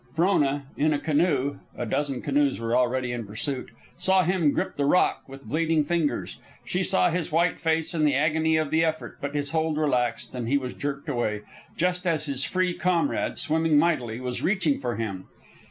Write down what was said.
Frona, in a canoe (a dozen canoes were already in pursuit), saw him grip the rock with bleeding fingers. She saw his white face and the agony of the effort; but his hold relaxed and he was jerked away, just as his free comrade, swimming mightily, was reaching for him.